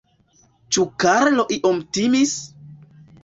Ĉu Karlo iom timis?